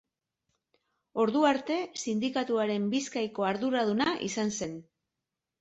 Ordu arte sindikatuaren Bizkaiko arduraduna izan zen.